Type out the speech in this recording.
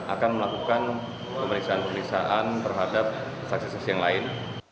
akan melakukan pemeriksaan pemeriksaan terhadap saksi saksi yang lain